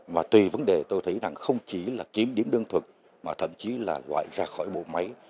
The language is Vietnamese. và tùy vấn đề tôi thấy là không chỉ là kiếm điểm đơn thuật mà thậm chí là loại ra khỏi bộ máy